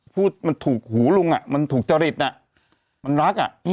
พูดหูลุงอ่ะถูกจริตอ่ะมันรักอ่ะ